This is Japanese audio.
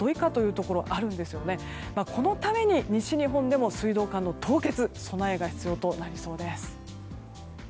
このために西日本でも水道管の凍結備えが必要となりそうです。